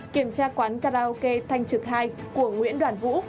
kiểm tra quán karaoke thanh trực hai của nguyễn đoàn vũ